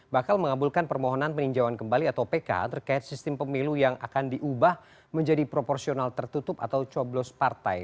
bakal mengabulkan permohonan peninjauan kembali atau pk terkait sistem pemilu yang akan diubah menjadi proporsional tertutup atau coblos partai